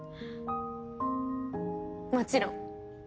もちろん。